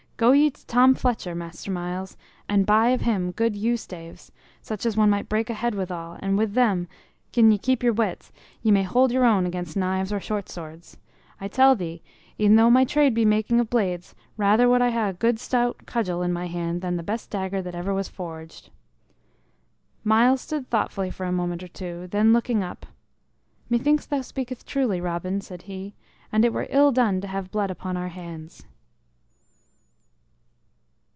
Go ye to Tom Fletcher, Master Myles, and buy of him good yew staves, such as one might break a head withal, and with them, gin ye keep your wits, ye may hold your own against knives or short swords. I tell thee, e'en though my trade be making of blades, rather would I ha' a good stout cudgel in my hand than the best dagger that ever was forged." Myles stood thoughtfully for a moment or two; then, looking up, "Methinks thou speaketh truly, Robin," said he; "and it were ill done to have blood upon our hands."